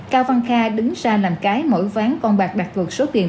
cao văn kha đứng ra làm cái mỗi ván con bạc đạt vượt số tiền